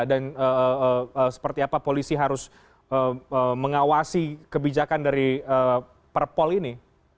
dan seperti apa polisi harus mengawasi kebijakan dari perpol ini